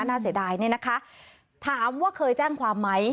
เสียดายเนี่ยนะคะถามว่าเคยแจ้งความไหม